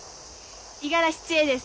五十嵐千恵です。